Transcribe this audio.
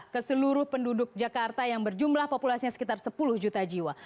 ke seluruh penduduk jakarta yang berjumlah populasinya sekitar sepuluh juta jiwa